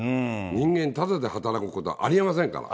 人間、ただで働くことはありえませんから。